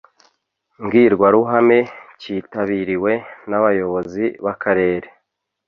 mbwirwaruhame cyitabiriwe n'abayobozi b'akarere,